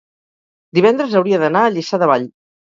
divendres hauria d'anar a Lliçà de Vall.